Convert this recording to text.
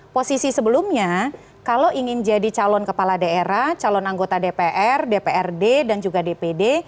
posisi sebelumnya kalau ingin jadi calon kepala daerah calon anggota dpr dprd dan juga dpd